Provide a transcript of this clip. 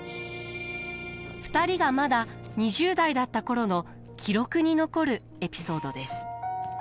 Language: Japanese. ２人がまだ２０代だった頃の記録に残るエピソードです。